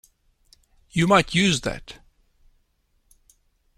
You might use that.